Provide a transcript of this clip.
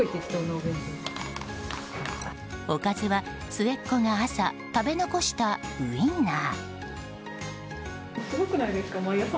おかずは、末っ子が朝食べ残したウインナー。